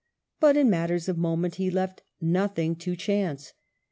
But in matters of moment he left nothing to chance.